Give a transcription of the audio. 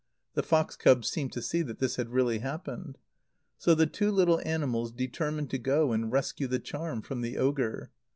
The fox cub seemed to see that this had really happened. So the two little animals determined to go and rescue the charm from the ogre.